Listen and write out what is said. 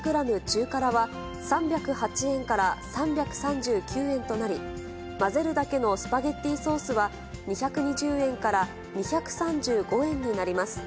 中辛は、３０８円から３３９円となり、まぜるだけのスパゲッティソースは、２２０円から２３５円になります。